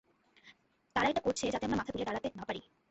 তারা এটা করছে যাতে আমরা মাথা তুলে দাঁড়াতে না পারি।